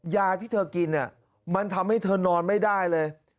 ยาที่เธอกินมันทำให้เธอนอนไม่ได้เลย